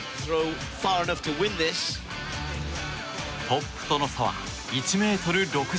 トップとの差は１ｍ６３。